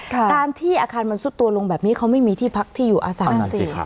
การที่อาคารมันซุดตัวลงแบบนี้เขาไม่มีที่พักที่อยู่อาศัยสิ